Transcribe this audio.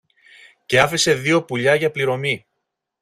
και άφησε δυο πουλιά για πληρωμή.